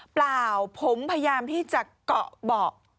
เปล่าผมพยายามที่จะเกาะเบาะ